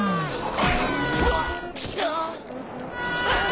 あ。